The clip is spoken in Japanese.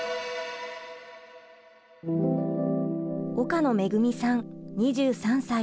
岡野めぐみさん２３歳。